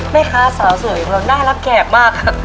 แม่คะสาวสวยอยู่กับเราน่ารักแกรกมาก